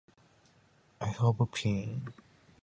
I have a pen.